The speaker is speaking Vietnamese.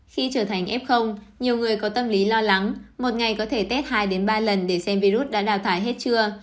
khi trở thành f nhiều người có tâm lý lo lắng một ngày có thể tết hai ba lần để xem virus đã đào thải hết chưa